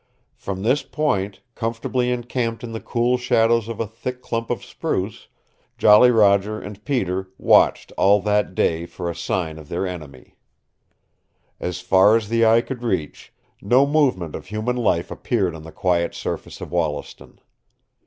From this point, comfortably encamped in the cool shadows of a thick clump of spruce, Jolly Roger and Peter watched all that day for a sign of their enemy. As far as the eye could reach no movement of human life appeared on the quiet surface of Wollaston.